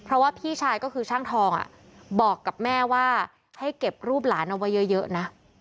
เพราะว่าพี่ชายก็คือช่างทองบอกกับแม่ว่าให้เก็บรูปหลานเอาไว้เยอะนะ